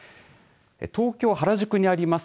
東京、原宿にあります